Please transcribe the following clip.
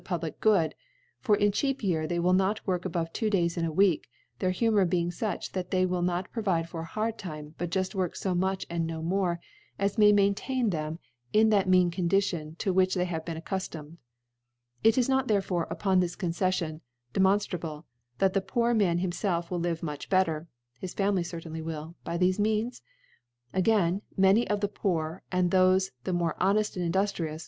• public (90) • public Good ; for, in a cheap Year, they • will not work above two Days in a Week •,• their Humour being fuch that they will • not provide for a hard Time, but juft • work fo much, and no more, as may ^ maintain them in that mean Condition to • which they have been accuftomed,* Is it not therefore, upon this Conceffion, de monftrable, that the poor Man himfclf will live much better (his Family ceriainly will) bythelc Means? Again, many of the Poor, aid thofe the more honed and induftrious